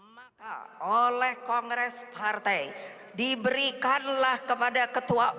maka oleh kongres partai diberikanlah kepada ketua umum